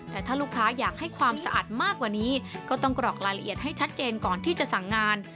แต่ถ้าลูกค้าอยากให้ความสะอาดมากกว่านี้ก็ต้องกรอกรายละเอียดให้ชัดเจนก่อนที่จะสั่งงาน